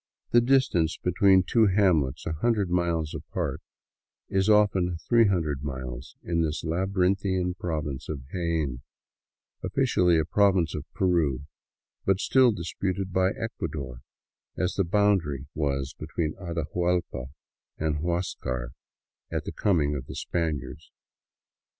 The distance between two hamlets a hundred miles apart is often three hundred miles in this labyrinthian province of Jaen, officially a province of Peru, but still disputed by Ecuador, as the boundary was between Atahuallpa and Huascar at the coming of the Spaniards.